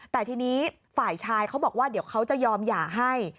แต่ทีนี้ฝ่ายชายเขาบอกว่าเดี๋ยวเขาจะยอมหย่าให้